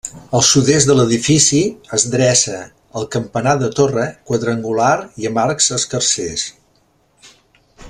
Al sud-est de l'edifici es dreça el campanar de torre, quadrangular i amb arcs escarsers.